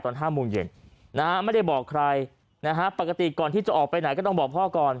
๕โมงเย็นนะฮะไม่ได้บอกใครนะฮะปกติก่อนที่จะออกไปไหนก็ต้องบอกพ่อก่อน